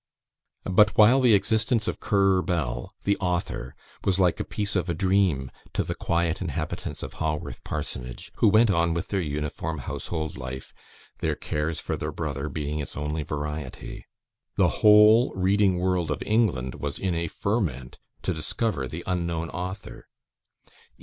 But while the existence of Currer Bell, the author, was like a piece of a dream to the quiet inhabitants of Haworth Parsonage, who went on with their uniform household life, their cares for their brother being its only variety, the whole reading world of England was in a ferment to discover the unknown author.